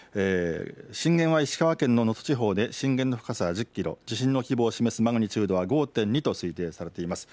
震源は石川県の能登地方で震源の深さは１０キロ、地震の規模を示すマグニチュードは５．２と推定されています。